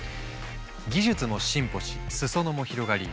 技術も進歩し裾野も広がり